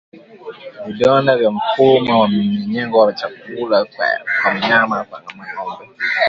Vidonda juu ya mfumo wa mmengenyo wa chakula kwa mnyama kama ngombe